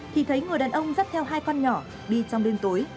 thì thấy người đàn ông dắt theo hai con nhỏ đi trong đêm tối